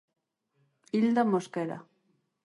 Ilda Mosquera...